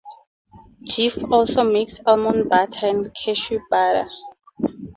Jif also makes almond butter and cashew butter.